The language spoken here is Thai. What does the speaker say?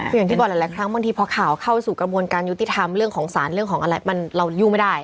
คืออย่างที่บอกหลายครั้งบางทีพอข่าวเข้าสู่กระบวนการยุติธรรมเรื่องของสารเรื่องของอะไรมันเรายุ่งไม่ได้